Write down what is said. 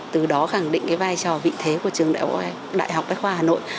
từ đó khẳng định cái vai trò vị thế của trường đại học bách khoa hà nội